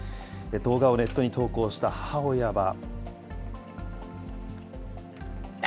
動画をネットに投稿した母親は。